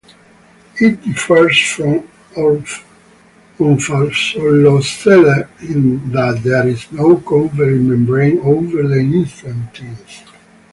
It differs from omphalocele in that there is no covering membrane over the intestines.